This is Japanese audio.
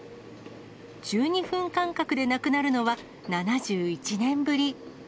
１２分間隔でなくなるのは、７１年ぶり。